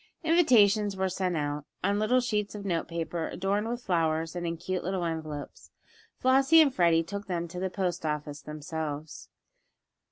Invitations were sent out, on little sheets of note paper, adorned with flowers, and in cute little envelopes. Flossie and Freddie took them to the post office themselves.